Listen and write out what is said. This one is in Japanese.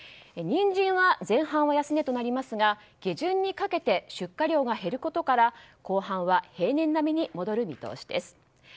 ニンジンは前半は安値となりますが下旬にかけて出荷量が減ることから後半は平年並みに戻る見通しです。